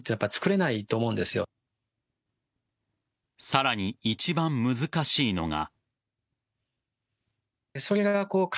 さらに、一番難しいのが。